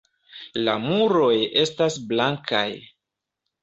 La muroj estas blankaj.